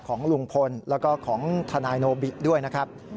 ของลุงพลแล้วก็ของทนายโนบิด้วยนะครับ